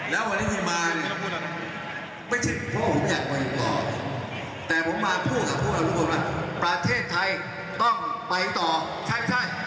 แล้ววันนี้คุณมาเนี้ยไม่ใช่เพราะผมอยากมาอยู่ต่อแต่ผมมาพูดกับผู้หรือผู้บอกแล้วประเทศไทยต้องไปต่อใช่ไหมใช่